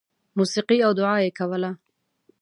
• موسیقي او دعا یې کوله.